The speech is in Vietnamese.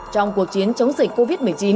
trong cuộc chiến chống dịch covid một mươi chín